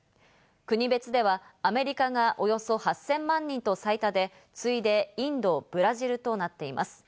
国別ではアメリカがおよそ８０００万人と最多で、次いでインド、ブラジルとなっています。